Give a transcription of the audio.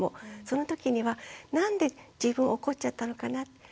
そのときにはなんで自分怒っちゃったのかなって。